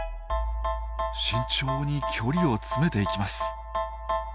慎重に距離を詰めていきます。